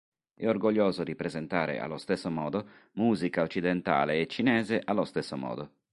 È orgoglioso di presentare allo stesso modo musica occidentale e cinese allo stesso modo.